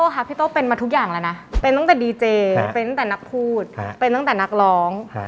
ค่ะพี่โต้เป็นมาทุกอย่างแล้วนะเป็นตั้งแต่ดีเจเป็นตั้งแต่นักพูดเป็นตั้งแต่นักร้อง